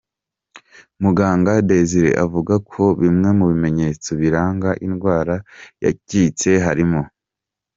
Muganga Desire avuga ko bimwe mu bimenyetso biranga indwara ya cystite harimo:.